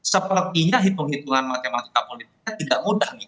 sepertinya hitung hitungan matematika politiknya tidak mudah